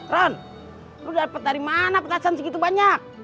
ron lu dapet dari mana petasan segitu banyak